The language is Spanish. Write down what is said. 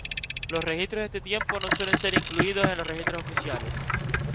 Los registros de este tiempo no suelen ser incluidos en los registros oficiales.